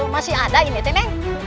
masih ada ini teneng